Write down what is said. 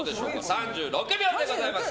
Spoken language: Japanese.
３６秒でございます。